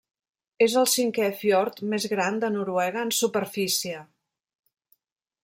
És el cinquè fiord més gran de Noruega en superfície.